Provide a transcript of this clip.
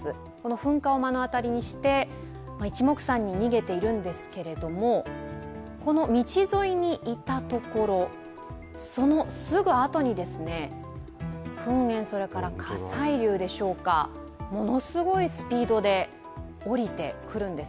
噴火を目の当たりにして、いちもくさんに逃げているんですがこの道沿いにいたところ、そのすぐあとに噴煙、火砕流でしょうか、ものすごいスピードで下りてくるんです。